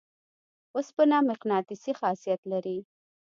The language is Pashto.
اوسپنه مقناطیسي خاصیت لري.